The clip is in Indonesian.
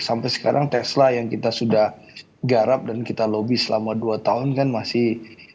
sampai sekarang tesla yang kita sudah garap dan kita lobby selama dua tahun kan masih